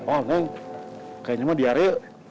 oh neng kayaknya mah diari